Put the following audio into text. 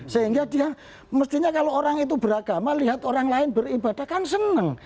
sehingga dia mestinya kalau orang itu beragama lihat orang lain beribadah kan seneng